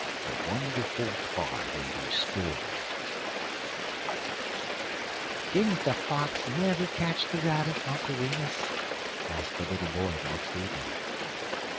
THE WONDERFUL TAR BABY STORY "Didn't the fox never catch the rabbit, Uncle Remus?" asked the little boy the next evening.